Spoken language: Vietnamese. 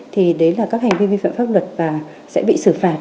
thì đấy là các hành vi vi phạm pháp luật và sẽ bị xử phạt